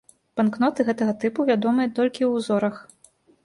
Банкноты гэтага тыпу вядомыя толькі ў узорах.